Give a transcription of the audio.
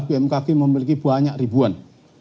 bmkg memiliki banyak ribuan